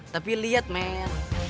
tapi liat men